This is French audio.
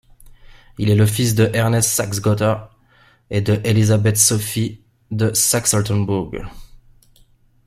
Il est le fils de Ernest de Saxe-Gotha et de Élisabeth-Sophie de Saxe-Altenbourg.